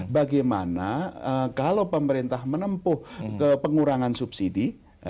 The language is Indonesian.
bagaimana kalau pemerintah menempuh ke pengurangan subsidi